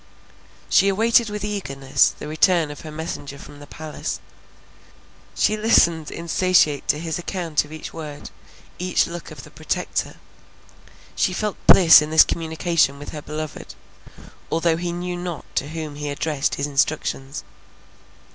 She awaited with eagerness the return of her messenger from the palace; she listened insatiate to his account of each word, each look of the Protector; she felt bliss in this communication with her beloved, although he knew not to whom he addressed his instructions.